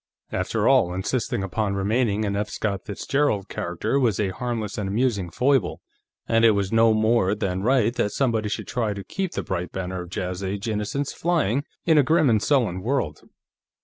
After all, insisting upon remaining an F. Scott Fitzgerald character was a harmless and amusing foible, and it was no more than right that somebody should try to keep the bright banner of Jazz Age innocence flying in a grim and sullen world.